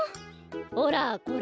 ほらこれ！